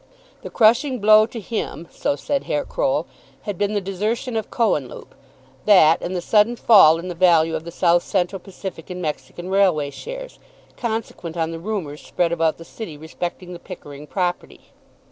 The crushing blow to him, so said Herr Croll, had been the desertion of Cohenlupe, that and the sudden fall in the value of the South Central Pacific and Mexican Railway shares, consequent on the rumours spread about the City respecting the Pickering property.